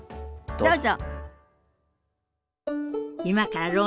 どうぞ。